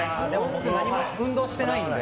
僕、今は運動してないので。